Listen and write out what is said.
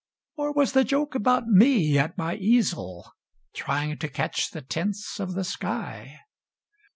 Or was the joke about me at my easel, Trying to catch the tints of the sky?